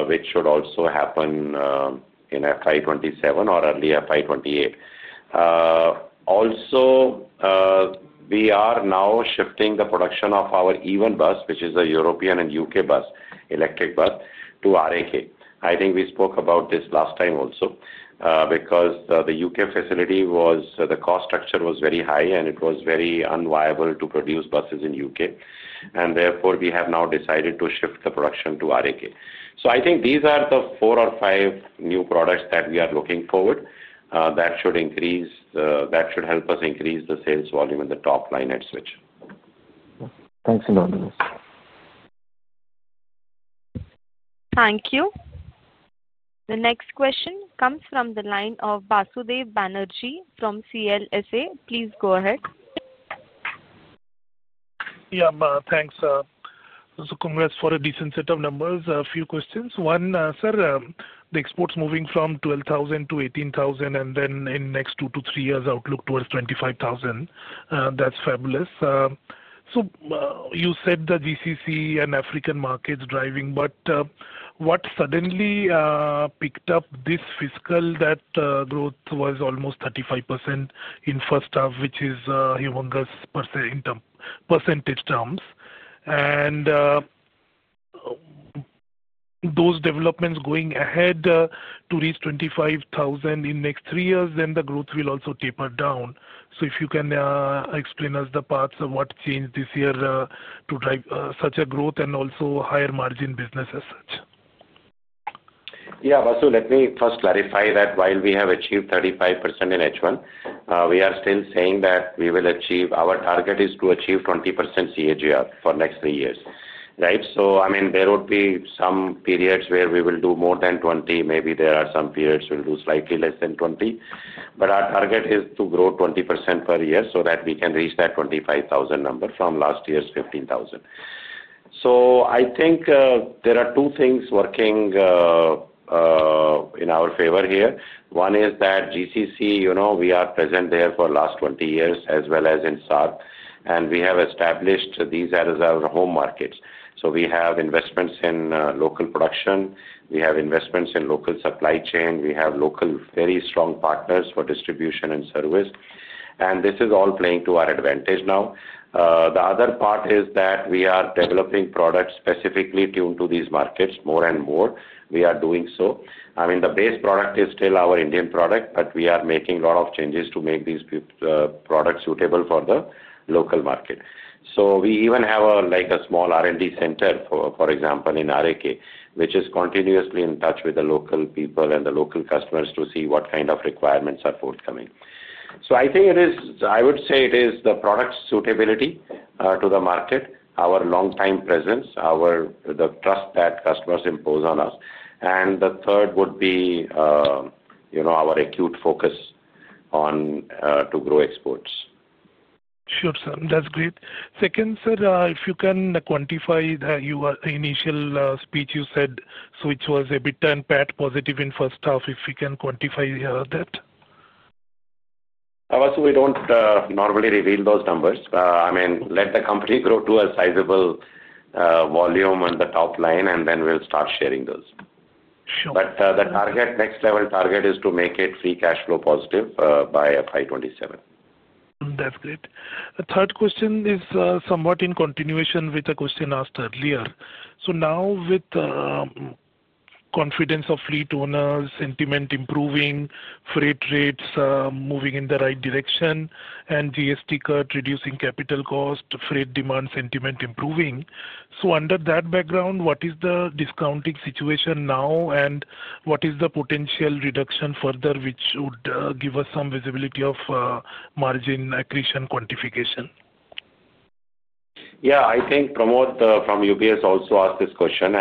which should also happen in FY27 or early FY28. Also, we are now shifting the production of our EVEN bus, which is a European and U.K. electric bus, to RAK. I think we spoke about this last time also because the U.K. facility, the cost structure was very high, and it was very unviable to produce buses in U.K. Therefore, we have now decided to shift the production to RAK. I think these are the four or five new products that we are looking forward that should help us increase the sales volume in the top line at Switch. Thanks a lot, Amit. Thank you. The next question comes from the line of Basudeb Banerjee from CLSA. Please go ahead. Yeah. Thanks. Congrats for a decent set of numbers. A few questions. One, sir, the exports moving from 12,000 to 18,000, and then in next two to three years, outlook towards 25,000. That is fabulous. You said the GCC and African markets driving, but what suddenly picked up this fiscal that growth was almost 35% in first half, which is humongous percentage terms? Those developments going ahead to reach 25,000 in next three years, then the growth will also taper down. If you can explain us the paths of what changed this year to drive such a growth and also higher margin business as such. Yeah. Basudev, let me first clarify that while we have achieved 35% in H1, we are still saying that we will achieve our target is to achieve 20% CAGR for next three years, right? I mean, there would be some periods where we will do more than 20. Maybe there are some periods we'll do slightly less than 20%. Our target is to grow 20% per year so that we can reach that 25,000 number from last year's 15,000. I think there are two things working in our favor here. One is that GCC, we are present there for the last 20 years as well as in SAARC. We have established these as our home markets. We have investments in local production. We have investments in local supply chain. We have local very strong partners for distribution and service. This is all playing to our advantage now. The other part is that we are developing products specifically tuned to these markets more and more. We are doing so. I mean, the base product is still our Indian product, but we are making a lot of changes to make these products suitable for the local market. We even have a small R&D center, for example, in RAK, which is continuously in touch with the local people and the local customers to see what kind of requirements are forthcoming. I think it is, I would say it is the product suitability to the market, our long-time presence, the trust that customers impose on us. The third would be our acute focus on to grow exports. Sure, sir. That's great. Second, sir, if you can quantify the initial speech you said, which was EBITDA and PAT positive in first half, if you can quantify that. Basudev, we don't normally reveal those numbers. I mean, let the company grow to a sizable volume on the top line, and then we'll start sharing those. The next level target is to make it free cash flow positive by FY2027 That's great. The third question is somewhat in continuation with the question asked earlier. Now with confidence of fleet owners, sentiment improving, freight rates moving in the right direction, and GST cut reducing capital cost, freight demand sentiment improving. Under that background, what is the discounting situation now, and what is the potential reduction further, which would give us some visibility of margin accretion quantification? Yeah. I think Pramod from UBS also asked this question.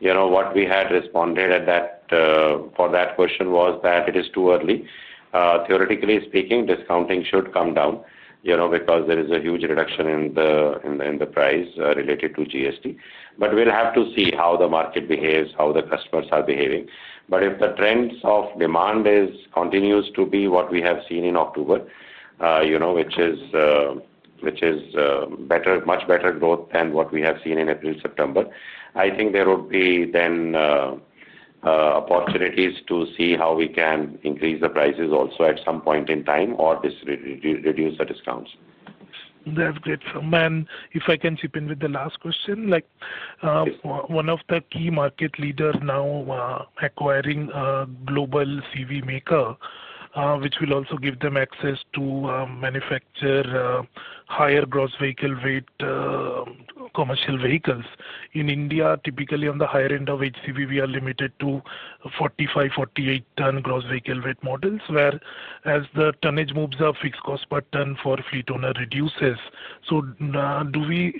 What we had responded for that question was that it is too early. Theoretically speaking, discounting should come down because there is a huge reduction in the price related to GST. We will have to see how the market behaves, how the customers are behaving. If the trends of demand continue to be what we have seen in October, which is much better growth than what we have seen in April-September, I think there would be opportunities to see how we can increase the prices also at some point in time or reduce the discounts. That's great, sir. If I can chip in with the last question, one of the key market leaders is now acquiring a global CV maker, which will also give them access to manufacture higher gross vehicle weight commercial vehicles. In India, typically on the higher end of HCV, we are limited to 45-48 ton gross vehicle weight models, whereas as the tonnage moves up, fixed cost per ton for fleet owner reduces. Do we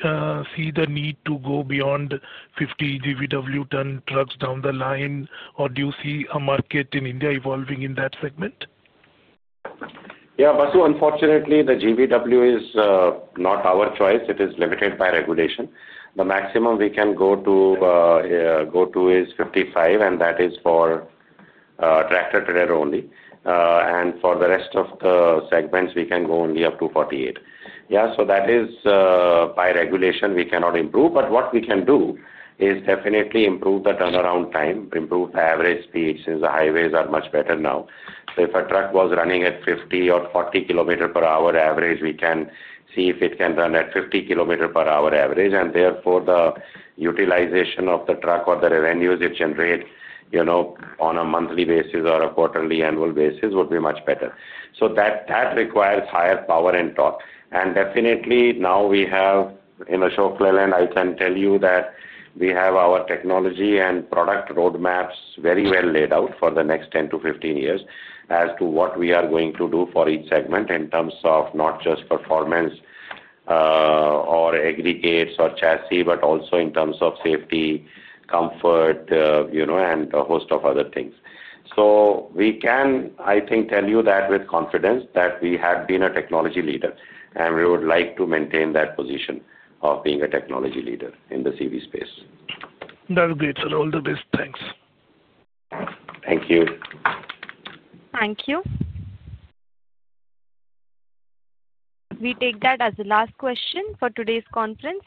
see the need to go beyond 50 GVW ton trucks down the line, or do you see a market in India evolving in that segment? Yeah. Basudeb, unfortunately, the GVW is not our choice. It is limited by regulation. The maximum we can go to is 55, and that is for tractor-trailer only. For the rest of the segments, we can go only up to 48. Yeah. That is by regulation. We cannot improve. What we can do is definitely improve the turnaround time, improve the average speed since the highways are much better now. If a truck was running at 50 or 40 kilometers per hour average, we can see if it can run at 50 kilometers per hour average. Therefore, the utilization of the truck or the revenues it generates on a monthly basis or a quarterly annual basis would be much better. That requires higher power and torque. Definitely, now we have in Ashok Leyland, I can tell you that we have our technology and product roadmaps very well laid out for the next 10 to 15 years as to what we are going to do for each segment in terms of not just performance or aggregates or chassis, but also in terms of safety, comfort, and a host of other things. We can, I think, tell you that with confidence that we have been a technology leader, and we would like to maintain that position of being a technology leader in the CV space. That's great, sir. All the best. Thanks. Thank you. Thank you. We take that as the last question for today's conference.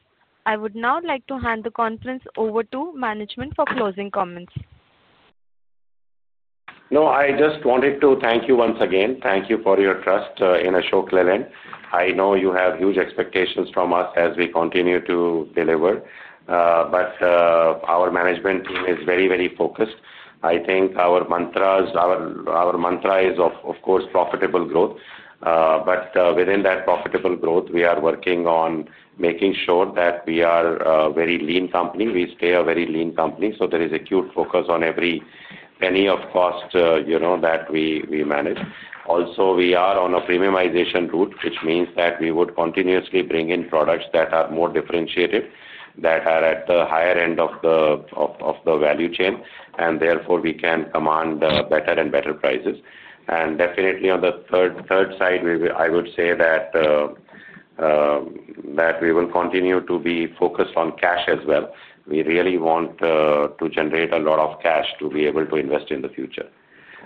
I would now like to hand the conference over to management for closing comments. No, I just wanted to thank you once again. Thank you for your trust in Ashok Leyland. I know you have huge expectations from us as we continue to deliver. Our management team is very, very focused. I think our mantra is, of course, profitable growth. Within that profitable growth, we are working on making sure that we are a very lean company. We stay a very lean company. There is acute focus on every penny of cost that we manage. Also, we are on a premiumization route, which means that we would continuously bring in products that are more differentiated, that are at the higher end of the value chain, and therefore, we can command better and better prices. Definitely, on the third side, I would say that we will continue to be focused on cash as well. We really want to generate a lot of cash to be able to invest in the future.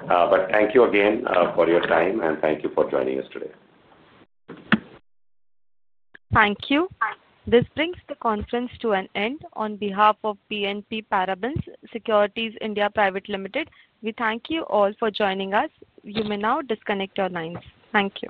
Thank you again for your time, and thank you for joining us today. Thank you. This brings the conference to an end. On behalf of BNP Paribas Securities India Private Limited, we thank you all for joining us. You may now disconnect your lines. Thank you.